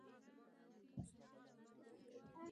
نوموړې زیاتوي که دغه زېنک